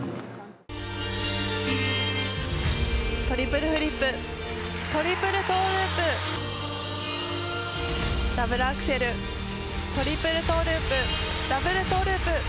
トリプルフリップ、トリプルトーループ。